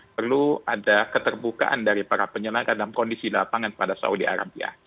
perlu ada keterbukaan dari para penyelenggara dalam kondisi lapangan pada saudi arabia